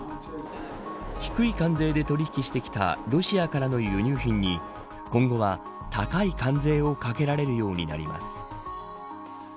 低い関税で取り引きしてきたロシアからの輸入品に今後は、高い関税をかけられるようになります。